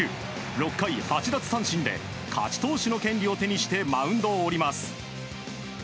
６回８奪三振で勝ち投手の権利を手にしてマウンドを降ります。